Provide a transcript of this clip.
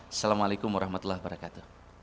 assalamualaikum warahmatullahi wabarakatuh